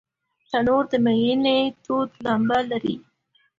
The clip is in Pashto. تنور د مینې تود لمبه لري